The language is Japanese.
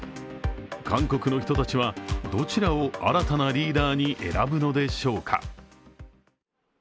韓国の人たちはどちらを新たなリーダーに選ぶのでしょうか。